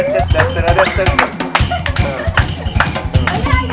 ขอสุดท้ายมาแซมบ้า